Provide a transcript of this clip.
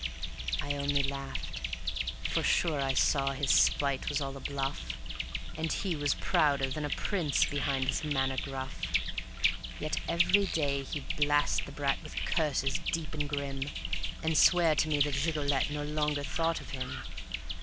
I only laughed, for sure I saw his spite was all a bluff, And he was prouder than a prince behind his manner gruff. Yet every day he'd blast the brat with curses deep and grim, And swear to me that Gigolette no longer thought of him.